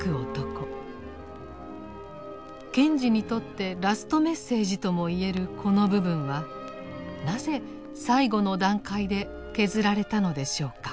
賢治にとってラストメッセージともいえるこの部分はなぜ最後の段階で削られたのでしょうか。